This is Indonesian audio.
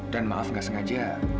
dan maaf gak sengaja